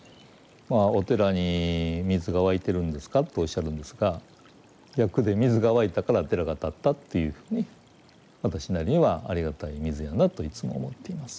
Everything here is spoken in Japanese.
まあお寺に水が湧いてるんですかとおっしゃるんですが逆で水が湧いたから寺が建ったっていうふうに私なりにはありがたい水やなといつも思っています。